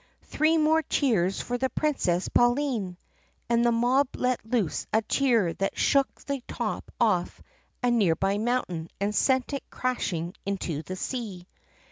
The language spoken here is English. Three more cheers for the Prin cess Pauline!' And the mob let loose a cheer that shook the top off a near by mountain and sent it crashing into the sea.